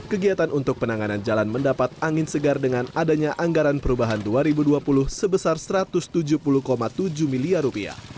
kegiatan untuk penanganan jalan mendapat angin segar dengan adanya anggaran perubahan dua ribu dua puluh sebesar rp satu ratus tujuh puluh tujuh miliar